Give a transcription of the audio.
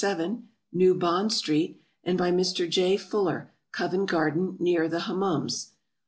47, New Bond street; and by Mr. J. FULLER, Covent Garden, near the Hummums.